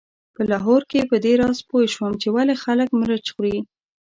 په لاهور کې په دې راز پوی شوم چې ولې خلک مرچ خوري.